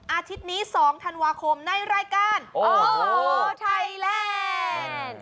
อาทิตย์นี้๒ธันวาคมในรายการโอ้โหไทยแลนด์